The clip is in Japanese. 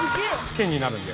剣になるんで。